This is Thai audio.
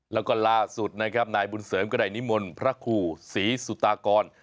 แล้วก็ล่าสุดนะครับนายบุญเสริมก็ได้นิมนต์พระครูศรีสุตากร